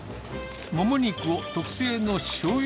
もも肉を特製のしょうゆ